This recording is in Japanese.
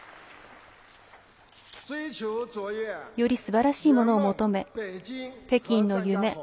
よりすばらしいものを求め北京の夢